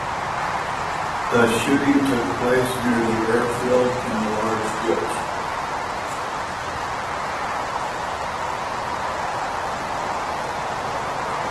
The shooting took place near the airfield, in a large ditch.